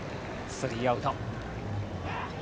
スリーアウト。